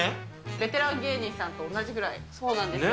ベテラン芸人さんと同じぐらそうなんですよ。